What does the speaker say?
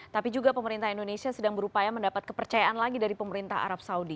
tapi juga pemerintah indonesia sedang berupaya mendapat kepercayaan lagi dari pemerintah arab saudi